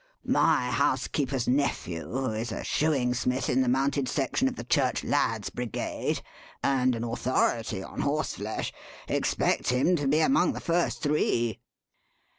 "My housekeeper's nephew, who is a shoeing smith in the mounted section of the Church Lads' Brigade, and an authority on horseflesh, expects him to be among the first three."